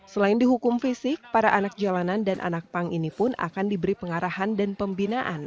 selain dihukum fisik para anak jalanan dan anak pang ini pun akan diberi pengarahan dan pembinaan